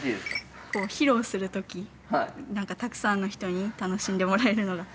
披露する時何かたくさんの人に楽しんでもらえるのが。